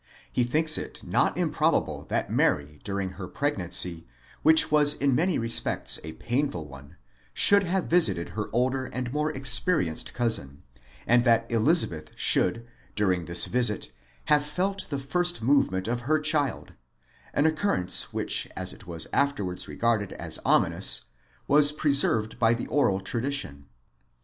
He thinks it not im probable that Mary during her pregnancy, which was in many respects a painful one, should have visited her older and more experienced cousin, and that Elizabeth should during this visit have felt the first movement of her child: an occurrence which as it was afterwards regarded as ominous, was preserved by the oral tradition.